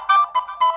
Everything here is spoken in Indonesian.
kau mau kemana